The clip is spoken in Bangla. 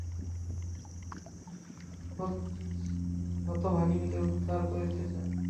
শচীশ এই হতভাগিনীকে উদ্ধার করিতে চায়।